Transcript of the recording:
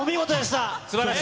すばらしい。